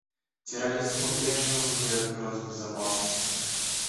Терроризм по-прежнему создает угрозу безопасности.